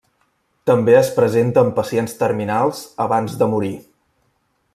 També es presenta amb pacients terminals abans de morir.